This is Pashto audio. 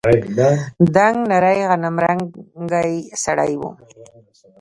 دنګ نرى غنمرنگى سړى و.